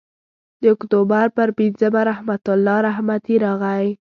د اکتوبر پر پینځمه رحمت الله رحمتي راغی.